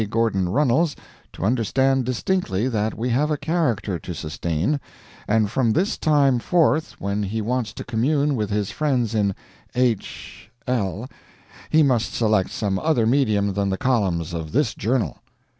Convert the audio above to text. Gordon Runnels to understand distinctly that we have a character to sustain, and from this time forth when he wants to commune with his friends in h l, he must select some other medium than the columns of this journal!"